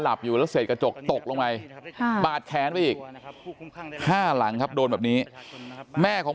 หลับอยู่แล้วเสร็จกระจกตกลงไว้๕หลังครับโดนแบบนี้แม่ของ